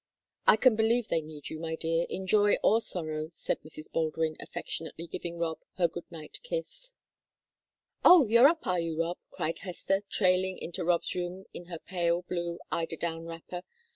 "I can believe they need you, my dear, in joy or sorrow," said Mrs. Baldwin, affectionately giving Rob her good night kiss. "Oh, you're up, are you, Rob?" cried Hester, trailing into Rob's room in her pale blue, eiderdown wrapper.